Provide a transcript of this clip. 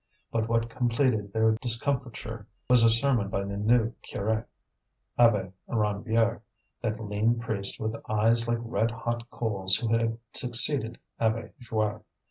But what completed their discomfiture was a sermon by the new curé, Abbé Ranvier, that lean priest with eyes like red hot coals who had succeeded Abbé Joire.